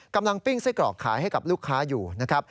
ปิ้งไส้กรอกขายให้กับลูกค้าอยู่นะครับ